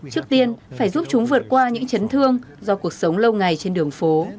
trước tiên phải giúp chúng vượt qua những chấn thương do cuộc sống lâu ngày trên đường phố